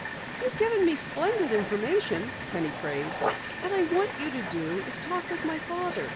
"You've given me splendid information," Penny praised. "What I want you to do is to talk with my father.